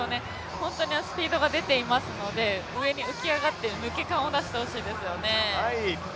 本当にスピードが出ていますので上に浮き上がって抜け感を出してほしいですよね。